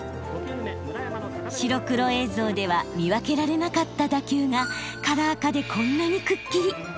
白黒映像では見分けられなかった打球がカラー化でこんなにくっきり！